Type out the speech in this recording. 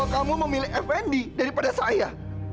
kamu memilih fnd daripada saya